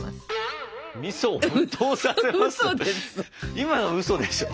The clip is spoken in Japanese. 今のウソでしょ？